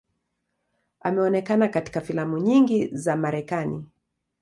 Ameonekana katika filamu nyingi za Marekani.